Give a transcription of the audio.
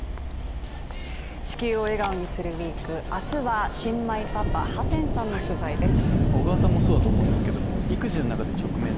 「地球を笑顔にするＷＥＥＫ」明日は新米パパ・ハセンさんの取材です。